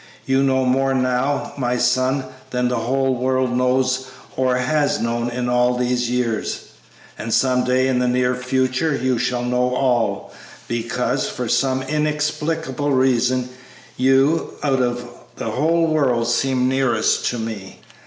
"You know more now, my son, than the whole world knows or has known in all these years; and some day in the near future you shall know all, because, for some inexplicable reason, you, out of the whole world, seem nearest to me."